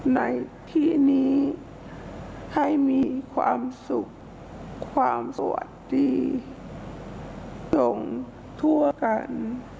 ในที่นี้ให้มีความสุขความสวัสดีตรงทั่วกัน